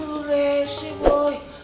boleh sih boy